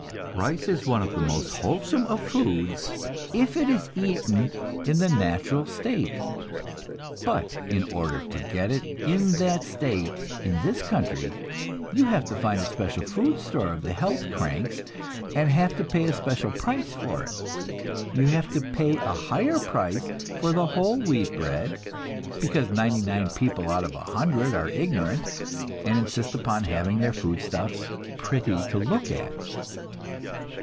Rice is one of the most wholesome of foods, if it is eaten in the natural state; but in order to get it in that state in this country, you have to find a special food store of the health cranks, and have to pay a special price for it. You have to pay a higher price for whole wheat bread because ninety nine people out of a hundred are ignorant, and insist upon having their foodstuffs pretty to look at!